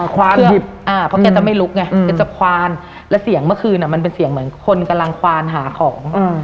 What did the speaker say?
ควานหยิบเพราะแกจะไม่ลุกไงแกจะควานและเสียงเมื่อคืนมันเป็นเสียงเหมือนคนกำลังควานหาของ